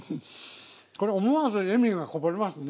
これ思わず笑みがこぼれますね。